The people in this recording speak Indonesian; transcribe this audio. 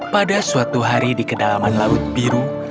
pada suatu hari di kedalaman laut biru